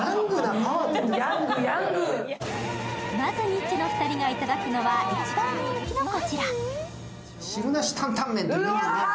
まずニッチェの２人がいただくのは一番人気のこちら。